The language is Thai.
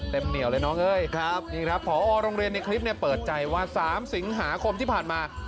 เหนียวเลยน้องเอ้ยครับนี่ครับผอโรงเรียนในคลิปเนี่ยเปิดใจว่า๓สิงหาคมที่ผ่านมา